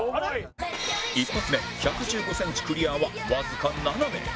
１発目１１５センチクリアはわずか７名